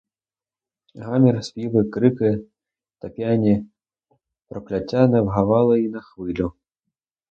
Гамір, співи, крики та п'яні прокляття не вгавали й на хвилю.